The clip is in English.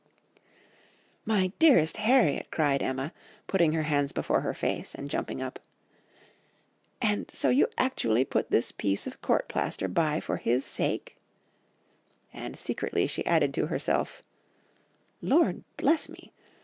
"'My dearest Harriet!' cried Emma, putting her hands before her face, and jumping up, ... 'And so you actually put this piece of court plaister by for his sake,' ... and secretly she added to herself, 'Lord bless me!